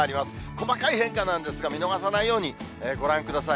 細かい変化なんですが、見逃さないように、ご覧ください。